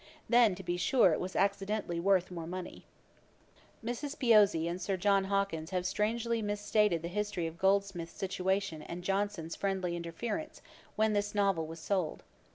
Then, to be sure, it was accidentally worth more money.' Mrs. Piozzi and Sir John Hawkins have strangely mis stated the history of Goldsmith's situation and Johnson's friendly interference, when this novel was sold.